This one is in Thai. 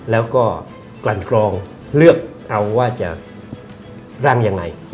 แล้วก็กลั่นกรองเลือกเอาว่าจะร่างยังไง